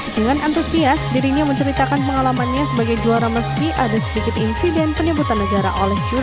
dengan antusias dirinya menceritakan pengalamannya sebagai juara meski ada sedikit insiden penyebutan negara oleh shui